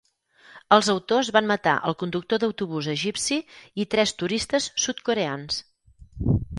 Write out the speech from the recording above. Els autors van matar el conductor d'autobús egipci i tres turistes sud-coreans.